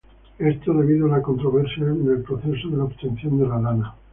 Esto, debido a la controversia en el proceso de la obtención de la lana.